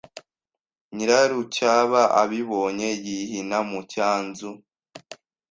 Nyirarucyaba abibonye yihina mu cyanzu